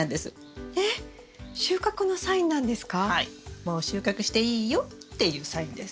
もう収穫していいよっていうサインです。